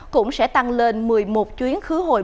cũng sẽ tăng lên một mươi một chuyến khứ hồi